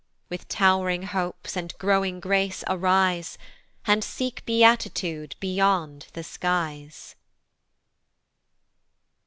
With tow'ring hopes, and growing grace arise, And seek beatitude beyond the skies.